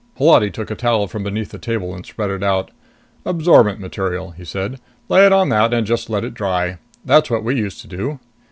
Holati took a towel from beneath the table and spread it out. "Absorbent material," he said. "Lay it on that and just let it dry. That's what we used to do."